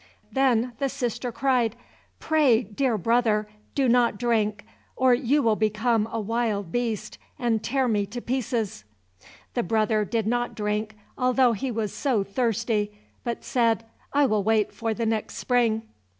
Then the sister cried, "Pray, dear brother, do not drink, or you will become a wild beast, and tear me to pieces." The brother did not drink, although he was so thirsty, but said, "I will wait for the next spring."